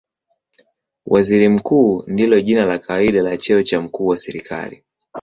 Waziri Mkuu ndilo jina la kawaida la cheo cha mkuu wa serikali.